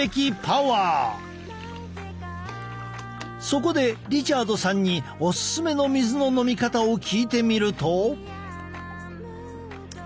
そこでリチャードさんにオススメの水の飲み方を聞いてみると。